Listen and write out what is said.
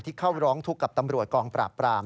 เข้าร้องทุกข์กับตำรวจกองปราบปราม